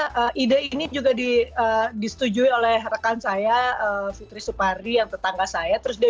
ah ide ini juga di demokrat destruction oleh rekan saya fitri supardy yang tetangga saya terus dia